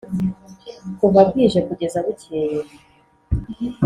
Kuva bwije kugeza bukeye